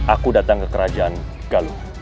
aku datang ke kerajaan galuh